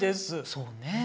そうねえ。